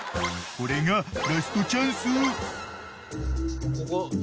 ［これがラストチャンス］